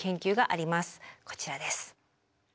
こちらです。